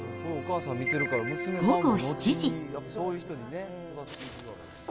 午後７時。